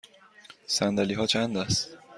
صندلی ها چند است؟